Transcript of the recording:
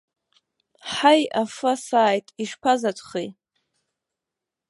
Ҳаи, афы асааит, ишԥазаҵәхеи!